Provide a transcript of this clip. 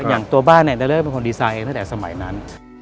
อย่างตัวบ้านเนี่ยดาเลอร์เป็นคนดีไซน์ตั้งแต่สมัยนั้น